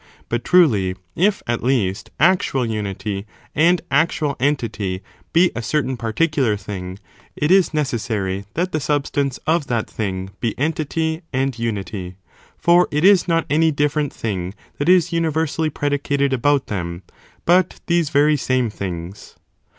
But, truly, if, at least, actual unity and actual entity be a certain particular thing, it is necessary that the substance of that thing be entity and unity ; for it is not any different thing that is universally predicated about them, but these very same things.